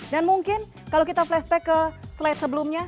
dan mungkin kalau kita flashback ke slide sebelumnya dua ribu empat belas